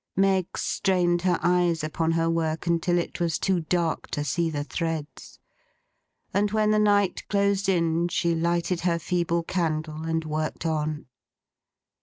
Meg strained her eyes upon her work until it was too dark to see the threads; and when the night closed in, she lighted her feeble candle and worked on.